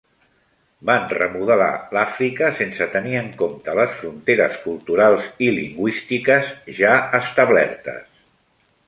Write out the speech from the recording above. Van remodelar l'Àfrica sense tenir en compte les fronteres culturals i lingüístiques ja establertes.